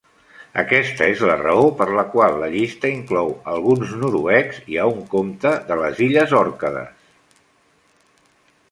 Aquesta és la raó per la qual la llista inclou alguns noruecs i a un comte de les illes Òrcades.